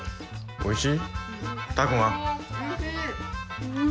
おいしい！